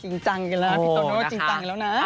จริงจังกันแล้วพี่โตโน่จริงจังแล้วนะ